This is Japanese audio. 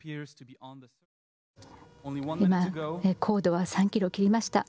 今、高度は３キロを切りました。